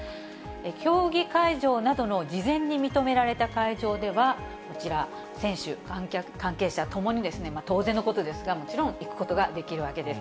競技会場などの事前に認められた会場ではこちら、選手、関係者ともに、当然のことですが、もちろん行くことができるわけです。